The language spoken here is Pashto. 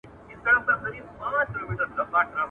د پښتو ژبې ګرامر په ځینو برخو کې له نورو ژبو سره توپیر لري.